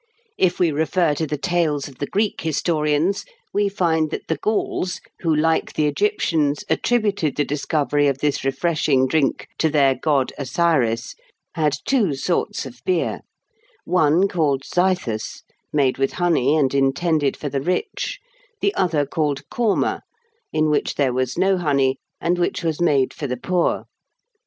If we refer to the tales of the Greek historians, we find that the Gauls who, like the Egyptians, attributed the discovery of this refreshing drink to their god Osiris had two sorts of beer: one called zythus, made with honey and intended for the rich; the other called corma, in which there was no honey, and which was made for the poor.